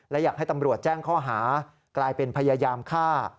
และอยากให้ตำรวจแจ้งข้อหากลายเป็นพยายามฆ่า